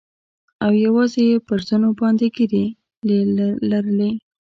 او يوازې يې پر زنو باندې ږيرې لرلې.